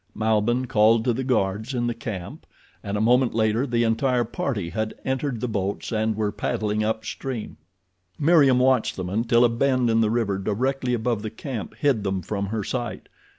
Malbihn called to the guards in the camp and a moment later the entire party had entered the boats and were paddling up stream. Meriem watched them until a bend in the river directly above the camp hid them from her sight.